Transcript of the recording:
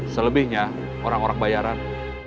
selebihnya orang orang bayaran